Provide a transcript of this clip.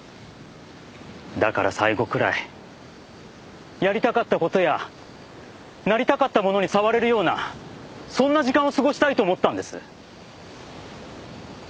だから最後くらいやりたかった事やなりたかったものに触れるようなそんな時間を過ごしたいと思ったんです。